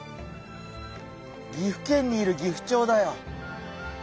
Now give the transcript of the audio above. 岐阜県にいるギフチョウだよ。